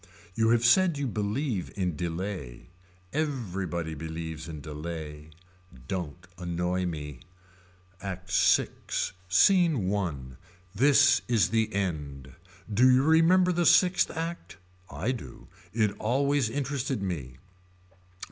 You have said you believe in delay. Everybody believes in delay. Don't annoy me. ACT VI. SCENE I. This is the end. Do you remember the sixth act. I do. It always interested me.